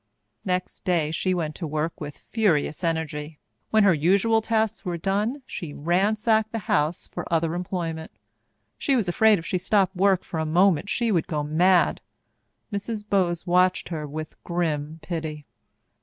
Next day she went to work with furious energy. When her usual tasks were done, she ransacked the house for other employment. She was afraid if she stopped work for a moment she would go mad. Mrs. Bowes watched her with a grim pity.